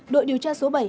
đội điều tra số bảy